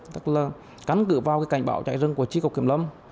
tức là cắn cử vào cảnh bão cháy rừng của trí cầu kiểm lâm